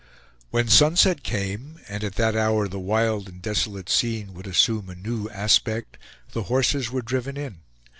When sunset came, and at that hour the wild and desolate scene would assume a new aspect, the horses were driven in.